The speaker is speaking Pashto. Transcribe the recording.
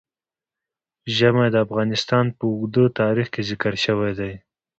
ژمی د افغانستان په اوږده تاریخ کې ذکر شوی دی.